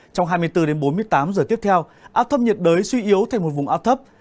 trong hai mươi bốn đến bốn mươi tám giờ tiếp theo áp thấp nhiệt đới suy yếu thành một vùng áp thấp